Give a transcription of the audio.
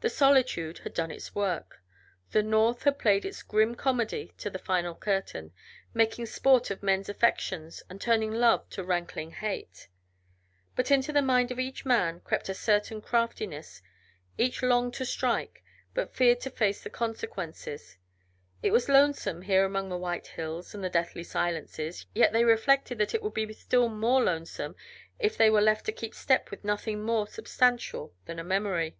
The solitude had done its work; the North had played its grim comedy to the final curtain, making sport of men's affections and turning love to rankling hate. But into the mind of each man crept a certain craftiness. Each longed to strike, but feared to face the consequences. It was lonesome, here among the white hills and the deathly silences, yet they reflected that it would be still more lonesome if they were left to keep step with nothing more substantial than a memory.